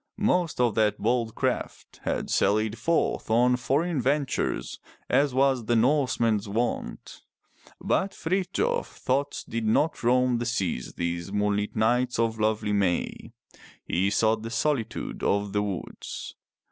Most of that bold craft had sallied forth on foreign ventures as was the Norseman's wont. But Frithjof's thoughts did not roam the seas these moon lit nights of lovely May. He sought the solitude of the woods.